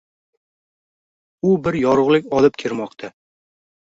U bir yorugʻlik olib kirmoqda